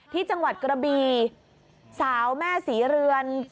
ที่จังหวัดกระบีสาวแม่ศรีเรือน